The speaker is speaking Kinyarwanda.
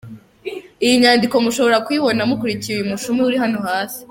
Iyo nyandiko mushobora kuyibona mukurikiye uyu mushumi uri hano hasi: